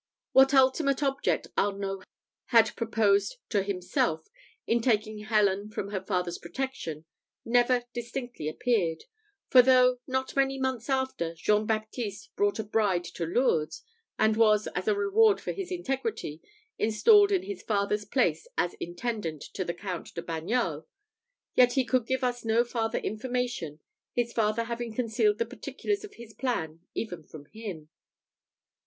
What ultimate object Arnault had proposed to himself in taking Helen from her father's protection never distinctly appeared; for though, not many months after, Jean Baptiste brought a bride to Lourdes, and was, as a reward for his integrity, installed in his father's place as intendant to the Count de Bagnols, yet he could give us no farther information, his father having concealed the particulars of his plan even from him.